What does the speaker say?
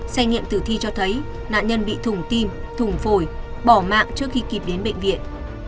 xe nghiệm tử thi cho thấy nạn nhân bị thủng tim thủng phổi bỏ mạng trước khi kịp đến bệnh viện